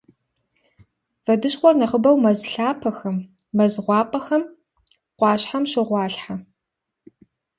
Вэдыщхъуэр нэхъыбэу мэз лъапэхэм, мэз гъуапӏэхэм, къуэхэм щогъуалъхьэ.